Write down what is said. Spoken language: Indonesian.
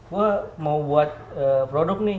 gue mau buat produk nih